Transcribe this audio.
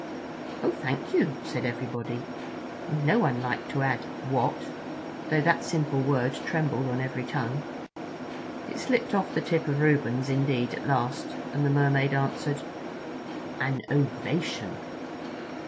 "Oh, thank you," said everybody, and no one liked to add: "What?"—though that simple word trembled on every tongue. It slipped off the tip of Reuben's, indeed, at last, and the Mermaid answered: "An ovation."